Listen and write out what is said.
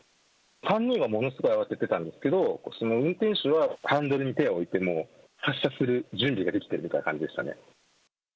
３人はものすごい慌ててたんですけど、その運転手はハンドルに手を置いて、もう発車する準備ができてるみたいな感じでしたね。